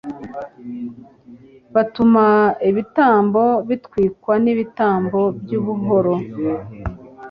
batura ibitambo bitwikwa n'ibitambo by'ubuhoro